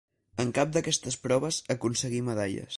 En cap d'aquestes proves aconseguí medalles.